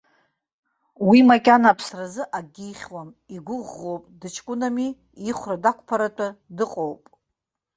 Уи макьана аԥсразы акгьы ихьуам, игәы ӷәӷәоуп, дыҷкәынами, ихәра дақәԥаратәа дыҟоуп.